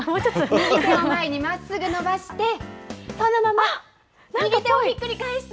右手を前にまっすぐ伸ばして、そのまま右手をひっくり返して。